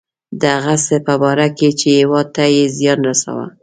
د هغه څه په باره کې چې هیواد ته یې زیان رساوه.